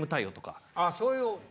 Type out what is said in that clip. あそういう？